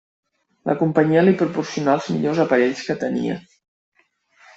La companyia li proporcionà els millors aparells que tenia.